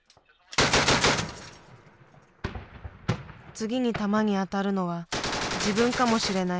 次に弾に当たるのは自分かもしれない。